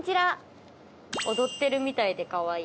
「踊ってるみたいで可愛い。